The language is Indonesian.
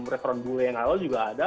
restoran bule yang awal juga ada